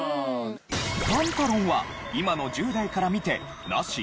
パンタロンは今の１０代から見てナシ？